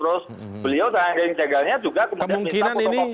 terus beliau juga